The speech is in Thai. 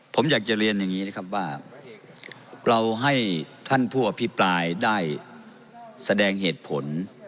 ผมอยากจะเรียนอย่างนี้นะครับว่าเราให้ท่านผู้อภิปรายได้แสดงเหตุผล